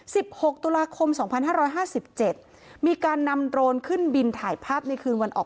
หกตุลาคมสองพันห้าร้อยห้าสิบเจ็ดมีการนำโดรนขึ้นบินถ่ายภาพในคืนวันออก